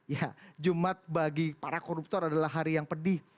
ya jumat bagi para koruptor adalah hari yang pedih